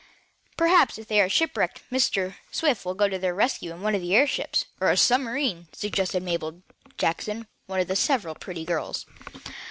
"Perhaps, if they are shipwrecked, Mr. Swift will go to their rescue in one of his airships, or a submarine," suggested Mabel Jackson, one of the several pretty girls.